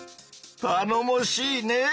たのもしいねぇ！